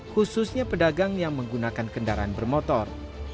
khususnya pedagang yang menggunakan kendaraan bermotor